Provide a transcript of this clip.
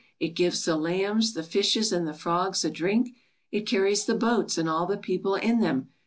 It gives the lambs, the fishes, and the frogs a drink. It carries the boats and all the people in them.